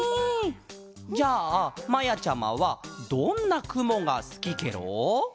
じゃあまやちゃまはどんなくもがすきケロ？